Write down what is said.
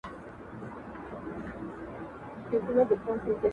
د دنیا په هیڅ ځای کي -